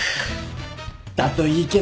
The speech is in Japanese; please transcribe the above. だといいけど。